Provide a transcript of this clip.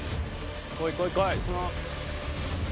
来い来い来い